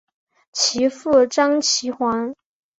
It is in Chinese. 其父张其锽。